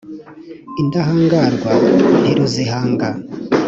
indahangarwa ntiruzihanga !...